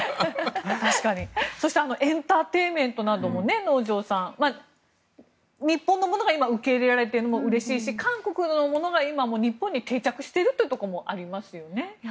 そしてエンターテインメントなども能條さん、日本のものが今受け入れられてるのもうれしいし韓国のものが今、日本に定着しているということもありますよね。